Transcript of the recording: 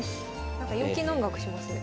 なんか陽気な音楽しますね。